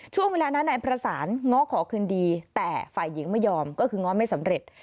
ช่วงเวลานั้นนายประสานง้อขอคืนดีแต่ฝ่ายหญิงไม่ยอมก็คือง้อไม่สำเร็จ